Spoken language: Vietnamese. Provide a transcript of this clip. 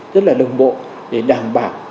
rất là đồng bộ để đảm bảo